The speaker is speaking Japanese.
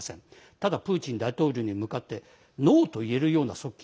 ただ、プーチン大統領に向かってノーといえるような側近